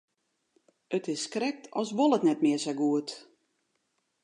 It is krekt as wol it net mear sa goed.